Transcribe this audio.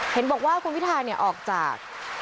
เห็นบอกว่าคุณพิทาออกจาก